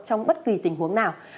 trong bất kỳ tình huống nào